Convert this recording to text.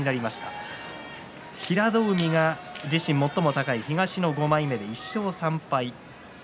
平戸海が自身最も高い東の５枚目で１勝３敗です。